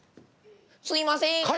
すいません。